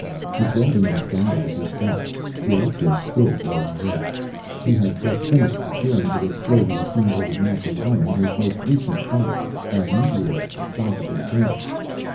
His welding arc dangled at his belt, the electrode still glowing red. He had just finished securing to this slowly accumulated mass of iron his most recent find, a meteorite the size of his head.